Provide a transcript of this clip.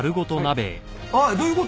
あっどういう事？